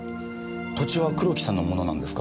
土地は黒木さんのものなんですか？